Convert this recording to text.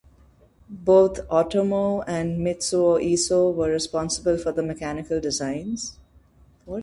Both Otomo and Mitsuo Iso were responsible for the mechanical designs.